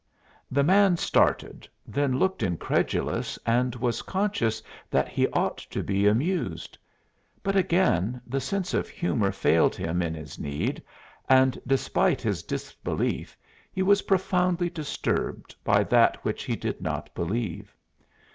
The man started, then looked incredulous and was conscious that he ought to be amused. But, again, the sense of humor failed him in his need and despite his disbelief he was profoundly disturbed by that which he did not believe.